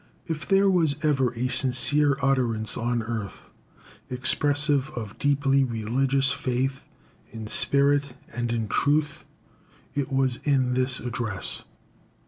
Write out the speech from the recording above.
If there was ever a sincere utterance on earth expressive of deeply religious faith, in spirit and in truth, it was in this address.